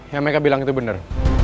yang meka bilang itu bener